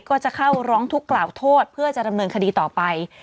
ก็จะเข้าร้องทุกข์กล่าวโทษเพื่อจะดำเนินคดีต่อไป